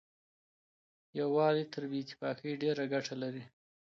يووالی تر بې اتفاقۍ ډېره ګټه لري.